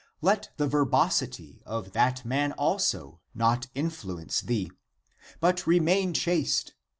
Let the ver bosity of that man also not influence thee, but re main chaste